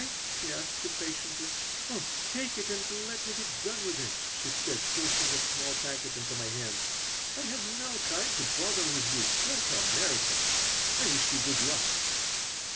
she asked, impatiently. "Oh, take it and let me be done with it," she said, forcing a small packet into my hand. "I have no time to bother with you. Go to America. I wish you good luck."